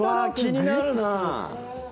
気になるな！